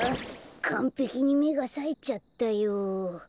かんぺきにめがさえちゃったよ。